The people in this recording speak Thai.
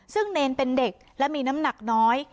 ซึ่งเนรเป็นเด็กและมีน้ำหนักน้อย